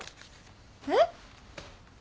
えっ？